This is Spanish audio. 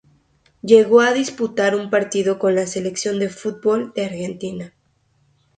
Llegó a disputar un partido con la Selección de fútbol de Argentina.